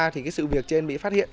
thì sự việc trên bị phát hiện